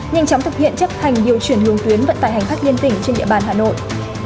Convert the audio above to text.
nhanh chóng thực hiện chấp hành điều chuyển hướng tuyến vận tải hành khách liên tỉnh trên địa bàn hà nội